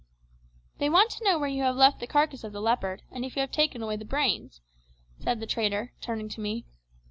"They want to know where you have left the carcass of the leopard, and if you have taken away the brains," said the trader, turning to me.